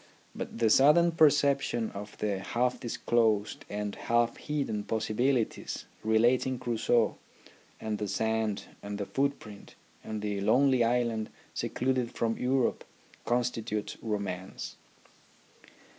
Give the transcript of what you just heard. But the sudden perception of the half THE RHYTHM OF EDUCATION n disclosed and half hidden possibilities relating Crusoe and the sand and the footprint and the lonely island secluded from Europe constitutes romance.